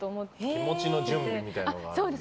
気持ちの準備みたいなものもあるんだ。